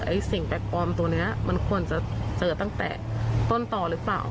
สิ่งแปลกปลอมตัวนี้มันควรจะเจอตั้งแต่ต้นต่อหรือเปล่า